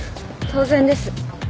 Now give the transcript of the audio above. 当然です。